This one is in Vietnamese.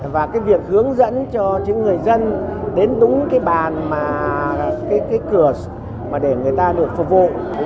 và việc hướng dẫn cho những người dân đến đúng cái bàn cái cửa để người ta được phục vụ